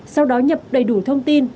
sau đó nhập đầy đủ thông tin